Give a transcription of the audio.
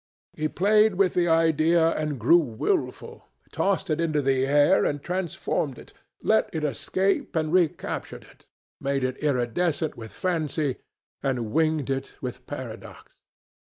He played with the idea and grew wilful; tossed it into the air and transformed it; let it escape and recaptured it; made it iridescent with fancy and winged it with paradox.